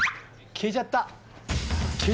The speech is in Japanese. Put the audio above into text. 消えちゃった。